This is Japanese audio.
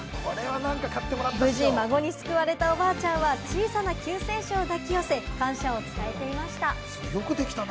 無事、孫に救われたおばあちゃんは小さな救世主を抱き寄せ、感謝を伝えていました。